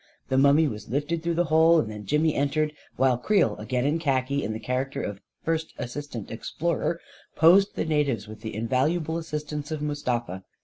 The mummy was lifted through the hole, and then Jimmy entered, while Creel, again in khaki in the character of first assistant explorer, posed the natives, with the invaluable assistance of Mustafa.